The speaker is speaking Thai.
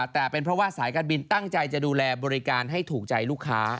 แต่เป็นเพราะว่าสายการบินตั้งใจจะดูแลบริการให้ถูกใจลูกค้า